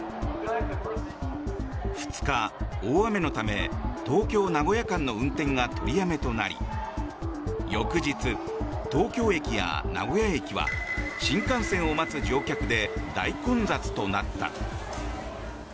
２日、大雨のため東京名古屋間の運転が取りやめとなり翌日、東京駅や名古屋駅は新幹線を待つ乗客で大混雑となった。